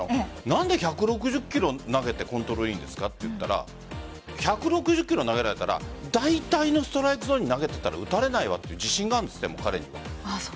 何で１６０キロ投げてコントロールいいんですかと言ったら１６０キロ投げられたらだいたいのストライクゾーンに投げてたら打たれないという自信があるんです、彼には。